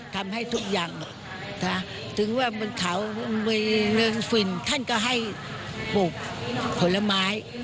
ทำให้ทุกอย่างถึงว่ามันเผาเรือนฝินท่านก็ให้ปลูกผลไม้